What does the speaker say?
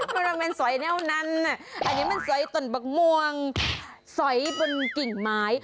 บริเวณสอยแนวนั้นอันนี้มันสอยตนบักม่วงสอยบนกิ่งไม้